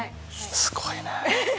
すごいね。